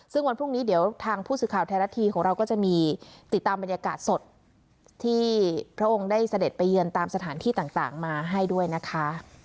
ซึ่งวันพรุ่งนี้เดี๋ยวทางผู้สื่อข่าวไทยรัฐทีวีของเราก็จะมีติดตามบรรยากาศสดที่พระองค์ได้เสด็จไปเยือนตามสถานที่ต่างมาให้ด้วยนะคะ